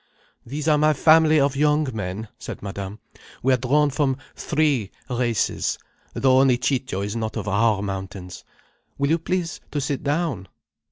"These are my family of young men," said Madame. "We are drawn from three races, though only Ciccio is not of our mountains. Will you please to sit down."